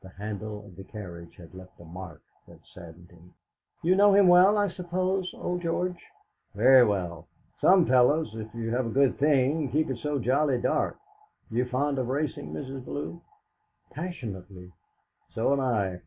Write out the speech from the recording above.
The handle of the carriage had left a mark that saddened him. "You know him well, I suppose, old George?" "Very well." "Some fellows, if they have a good thing, keep it so jolly dark. You fond of racin', Mrs. Bellew?" "Passionately." "So am I."